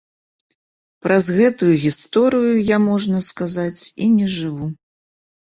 Праз гэтую гісторыю я, можна сказаць, і не жыву.